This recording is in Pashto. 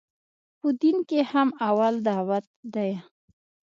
په دين کښې هم اول دعوت ديه.